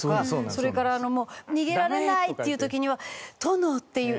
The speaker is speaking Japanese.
それからもう逃げられないっていう時には「殿！」っていう。